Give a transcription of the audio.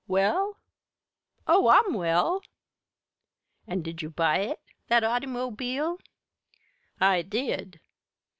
"Well? Oh, I'm well." "An' did you buy it that autymobile?" "I did."